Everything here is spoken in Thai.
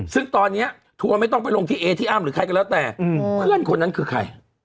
ซึ่งตอนนี้ทัวร์ไม่ต้องไปลงที่เอที่อ้ามหรือใครก็แล้วแต่เพื่อนคนนั้นคือใคร